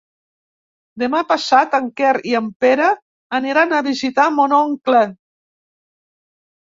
Demà passat en Quer i en Pere aniran a visitar mon oncle.